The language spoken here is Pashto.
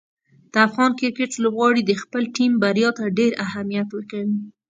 د افغان کرکټ لوبغاړي د خپلې ټیم بریا ته ډېر اهمیت ورکوي.